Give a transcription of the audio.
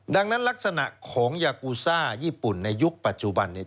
ดังนั้นลักษณะของยากูซ่าญี่ปุ่นในยุคปัจจุบันเนี่ย